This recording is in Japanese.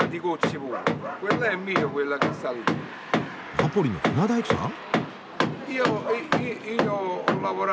ナポリの船大工さん？